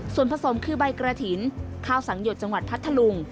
ส่วนผสมคือใบกระถิ่นข้าวสังหยดจังหวัดพัทธลุง